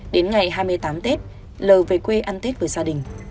đến ngày hai mươi tám tết l về quê ăn tết với gia đình